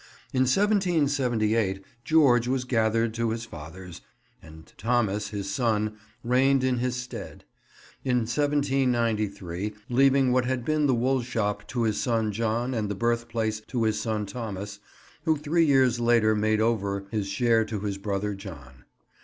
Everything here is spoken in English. In 1778 George was gathered to his fathers and Thomas, his son, reigned in his stead; in 1793 leaving what had been the woolshop to his son John and the Birthplace to his son Thomas, who three years later made over his share to his brother John.